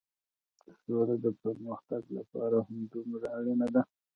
سوله د پرمختګ لپاره همدومره اړينه ده.